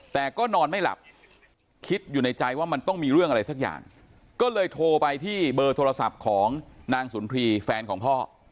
แต่ก็นอนไม่หลับคิดอยู่ในใจว่ามันต้องมีเรื่องอะไรสักอย่างก็เลยโทรไปที่เบอร์โทรศัพท์ของนางสุนทรีย์แฟนของพ่อ